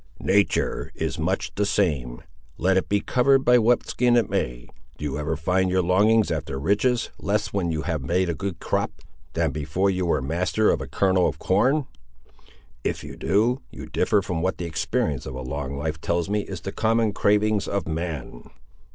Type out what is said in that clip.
"Natur' is much the same, let it be covered by what skin it may. Do you ever find your longings after riches less when you have made a good crop, than before you were master of a kernel of corn? If you do, you differ from what the experience of a long life tells me is the common cravings of man."